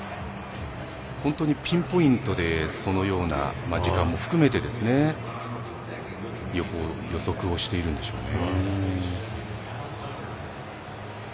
本当にピンポイントでそのような時間を含めて予測をしているんでしょうね。